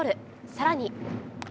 さらに。